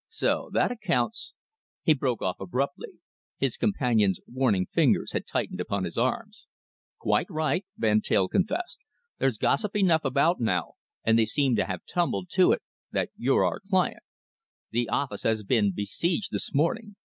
"So that accounts " He broke off abruptly. His companion's warning fingers had tightened upon his arm. "Quite right!" Van Teyl confessed. "There's gossip enough about now, and they seem to have tumbled to it that you're our client. The office has been besieged this morning.